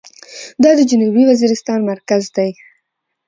دا د جنوبي وزيرستان مرکز دى.